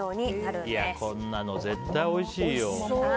こんなの絶対おいしいよ。